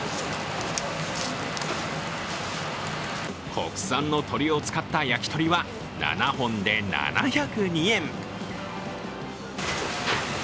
国産の鶏を使った焼き鳥は７本で７０２円。